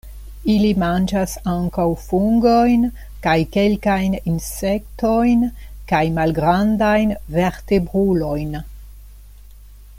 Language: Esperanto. Ili manĝas ankaŭ fungojn, kaj kelkajn insektojn kaj malgrandajn vertebrulojn.